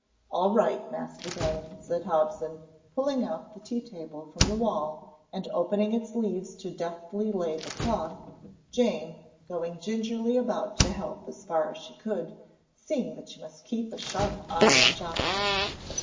"All right, Master Ben," said Hobson, pulling out the tea table from the wall, and opening its leaves to deftly lay the cloth, Jane going gingerly about to help as far as she could, seeing that she must keep a sharp eye on Jocko.